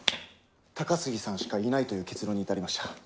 高杉さんしかいないという結論に至りました。